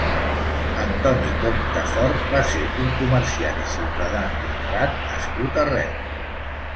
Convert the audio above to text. Antoni Compte Fort va ser un comerciant i ciutadà honrat nascut a Reus.